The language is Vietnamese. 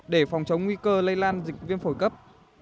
để phòng chống nguy cơ lây lan dịch viêm phổi cấp